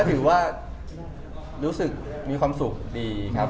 ถือว่ารู้สึกมีความสุขดีครับ